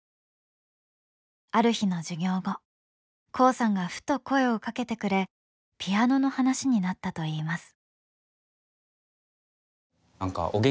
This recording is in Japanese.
ある日の授業後黄さんがふと声をかけてくれピアノの話になったといいます。